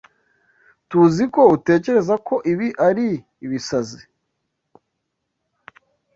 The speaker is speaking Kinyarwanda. Tuziko utekereza ko ibi ari ibisazi.